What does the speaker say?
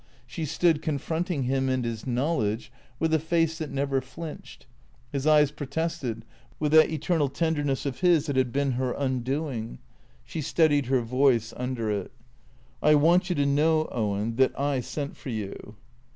She stood confronting him and his knowledge with a face that never flinched. His eyes protested, with that eternal tenderness of his that had been her undoing. She steadied her voice under it. " I want you to know, Owen, that I sent for you."